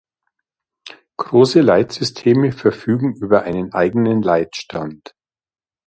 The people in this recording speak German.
Große Leitsysteme verfügen über einen eigenen Leitstand.